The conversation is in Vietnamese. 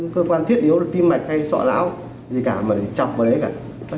cơ quan thiết liệu là tim mạch hay sọ lão gì cả mà chọc vào đấy cả